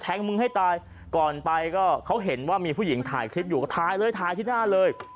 แตงมึงให้ตายก่อนไปก็เค้าเห็นว่ามีผู้หญิงถ่ายคิดอยู่เลย